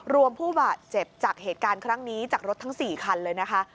ผู้บาดเจ็บจากเหตุการณ์ครั้งนี้จากรถทั้ง๔คันเลยนะคะ